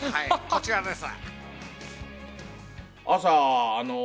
こちらです。